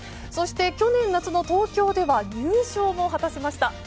そして、去年夏の東京では入賞も果たしました。